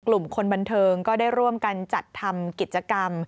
กลุ่มคนบันเทิงก็ได้ร่วมกันจัดทำกิจกรรม